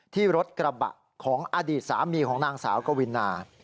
ที่รถกระบะของอดีตสามีของนางสาวกวินา